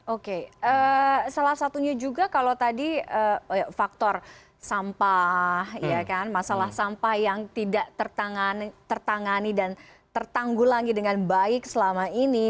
oke salah satunya juga kalau tadi faktor sampah masalah sampah yang tidak tertangani dan tertanggulangi dengan baik selama ini